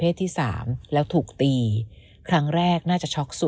พี่ชายของน้องก็จริงใจและจริงจังนะ